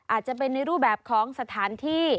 อาจจะเป็นในรูปแบบของสถานที่